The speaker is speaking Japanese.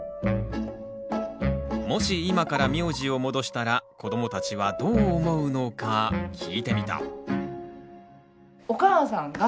もし今から名字を戻したら子どもたちはどう思うのか聞いてみた。